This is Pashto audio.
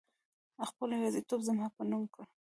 خپل يوازيتوب زما په نوم کړه